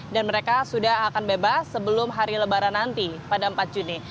dan mereka sudah akan bebas sebelum hari lebaran nanti pada empat juni